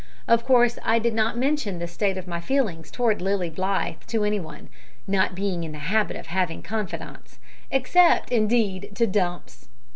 Of course I did not mention the state of my feelings towards Lilly Blythe to any one not being in the habit of having confidants except indeed, to Dumps.